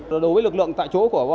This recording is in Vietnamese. đối với lực lượng tại chỗ